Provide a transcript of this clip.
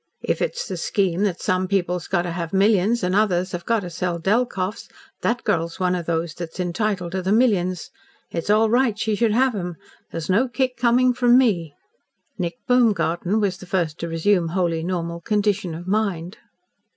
If it's the scheme that some people's got to have millions, and others have got to sell Delkoffs, that girl's one of those that's entitled to the millions. It's all right she should have 'em. There's no kick coming from me." Nick Baumgarten was the first to resume wholly normal condition of mind.